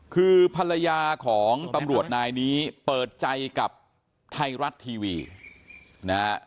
คือภรรยาของตำรวจนายนี้เปิดใจกับไทยรัฐทีวีนะฮะ